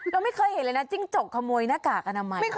เราไม่เคยเห็นเลยนะจิ้งจกขโมยหน้ากากอนามัย